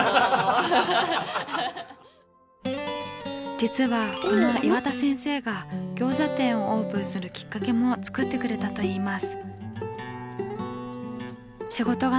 実はこの岩田先生が餃子店をオープンするきっかけも作ってくれたといいます。